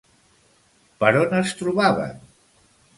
Per on es trobaven?